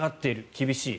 厳しい。